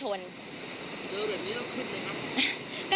เจอแบบนี้แล้วขึ้นไหมครับ